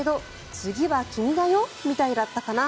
次は君だよ、みたいだったかな。